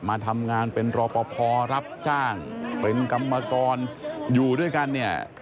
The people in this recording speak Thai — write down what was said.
มาทำงานเป็นรอปภรับจ้างเป็นกรรมกรอยู่ด้วยกันเนี่ย